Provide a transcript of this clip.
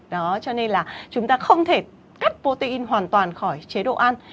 đó cho nên là chúng ta không thể cắt protein hoàn toàn khỏi chế độ ăn